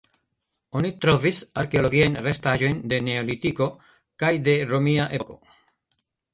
Oni trovis arkeologiajn restaĵojn de Neolitiko kaj de romia epoko.